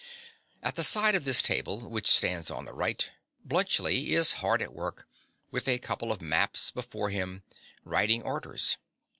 At the side of this table, which stands on the right, Bluntschli is hard at work, with a couple of maps before him, writing orders.